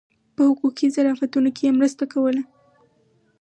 په حقوقي ظرافتونو کې یې مرسته کوله.